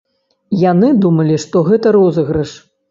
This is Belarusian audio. Яны думалі, што гэта розыгрыш.